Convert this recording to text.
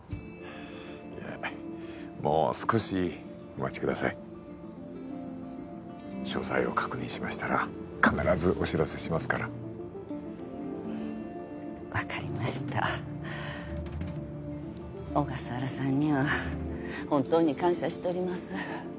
いやもう少しお待ちください詳細を確認しましたら必ずお知らせしますから分かりました小笠原さんには本当に感謝しとります